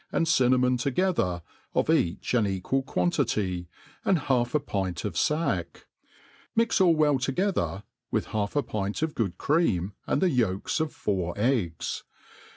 and cinnamon together, of each an equal quantity, and halfa pint bf fack: mix all well together, with half a pint of ^ood croam, and the yolks of four eggs.